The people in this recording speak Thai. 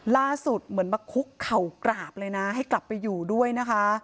เหมือนมาคุกเข่ากราบเลยนะให้กลับไปอยู่ด้วยนะคะ